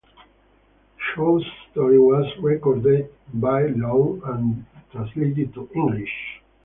Chou's story was recorded by Loung and translated to English.